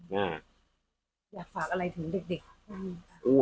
อยากฝากอะไรถึงเด็กค่ะ